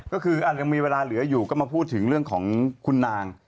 ก็คือยังมีเวลาเหลืออยู่ก็มาพูดถึงเรื่องของคุณนาง